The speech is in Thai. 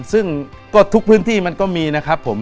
ซึ่งก็ทุกพื้นที่มันก็มีนะครับผม